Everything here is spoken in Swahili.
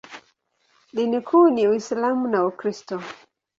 Dini kuu ni Uislamu na Ukristo.